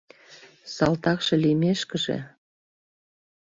Салтакше лиймешкыже